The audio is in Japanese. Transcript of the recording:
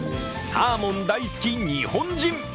サーモン大好き日本人。